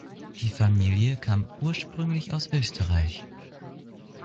Die Familie kam ursprünglich aus Österreich.